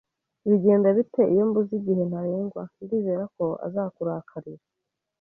"Bigenda bite iyo mbuze igihe ntarengwa?" "Ndizera ko azakurakarira!